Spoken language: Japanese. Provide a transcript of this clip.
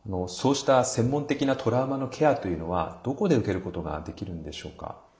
そうした専門的なトラウマのケアというのはどこで受けることができるんでしょうか？